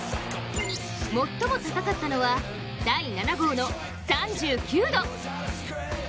最も高かったのは、第７号の３９度。